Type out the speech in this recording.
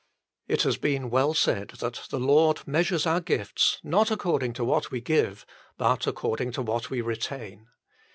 It has been well said that the Lord measures our gifts not according to what we give, but according to what we retain.